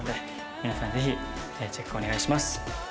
皆さん、ぜひチェックをお願いします。